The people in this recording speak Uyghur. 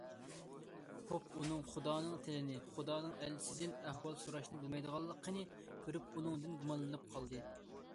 پوپ ئۇنىڭ خۇدانىڭ تىلىنى، خۇدانىڭ ئەلچىسىدىن ئەھۋال سوراشنى بىلمەيدىغانلىقىنى كۆرۈپ، ئۇنىڭدىن گۇمانلىنىپ قالدى.